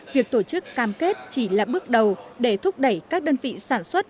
việc tổ chức cam kết chỉ là bước đầu để thúc đẩy các đơn vị sản xuất